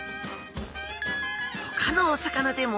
ほかのお魚でも。